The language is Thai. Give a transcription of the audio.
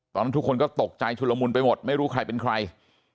ทุกคนก็ตกใจชุลมุนไปหมดไม่รู้ใครเป็นใคร